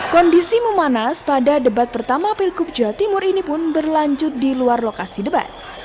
kondisi memanas pada debat pertama pilkup jawa timur ini pun berlanjut di luar lokasi debat